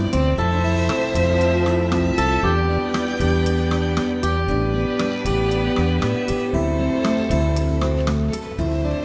buatnya juga rileks